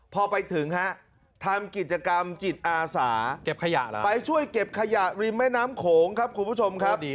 พอไปถึงฮะทำกิจกรรมจิตอาสาเก็บขยะแล้วไปช่วยเก็บขยะริมแม่น้ำโขงครับคุณผู้ชมครับ